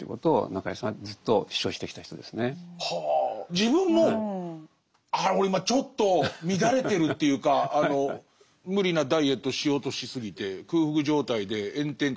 自分も俺今ちょっと乱れてるというか無理なダイエットしようとしすぎて空腹状態で炎天下